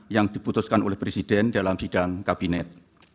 yang diputuskan oleh presiden dalam sidang kabinet